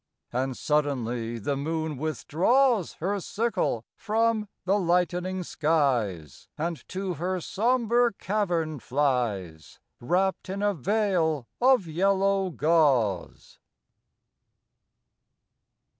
And suddenly the moon withdraws Her sickle from the lightening skies, And to her sombre cavern flies, Wrapped in a veil of yellow gauze.